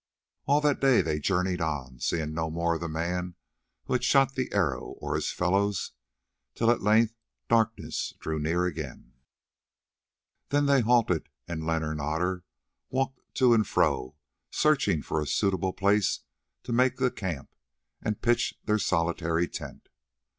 All that day they journeyed on, seeing no more of the man who had shot the arrow, or his fellows, till at length darkness drew near again. Then they halted, and Leonard and Otter walked to and fro searching for a suitable place to make the camp and pitch their solitary tent.